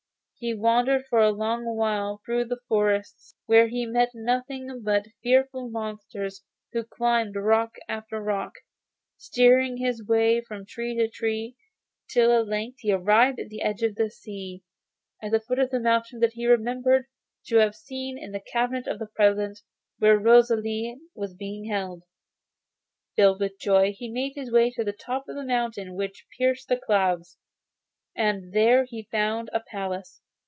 He wandered for a long while through the forests, where he met nothing but fearful monsters; he climbed rock after rock, steered his way from tree to tree, till at length he arrived at the edge of the sea, at the foot of a mountain that he remembered to have seen in the cabinet of the present, where Rosalie was held captive. Filled with joy, he made his way to the top of the mountain which pierced the clouds, and there he found a palace.